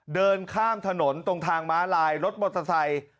เดินข้ามถนนตรงทางม้าลายรถมอเตอร์ไซค์